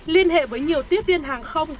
liên hệ với nhiều tiếp viên hàng không